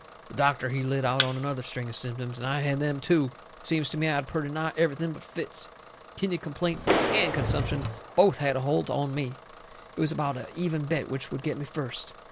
The doctor, he lit out on another string of symptoms, and I had them, too. Seems to me I had purty nigh everything but fits. Kidney complaint and consumption both had a holt on me. It was about a even bet which would get me first.